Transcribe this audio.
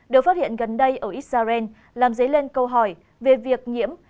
được phát hiện gần đây ở israel làm dấy lên câu hỏi về việc nhiễm